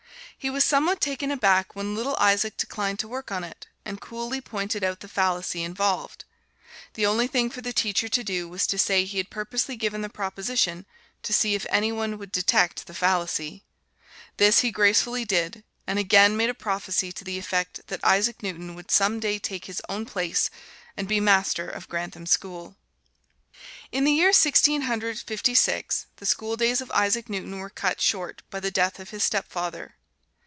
He was somewhat taken aback when little Isaac declined to work on it, and coolly pointed out the fallacy involved. The only thing for the teacher to do was to say he had purposely given the proposition to see if any one would detect the fallacy. This he gracefully did, and again made a prophecy to the effect that Isaac Newton would some day take his own place and be master of Grantham School. In the year Sixteen Hundred Fifty six the schooldays of Isaac Newton were cut short by the death of his stepfather.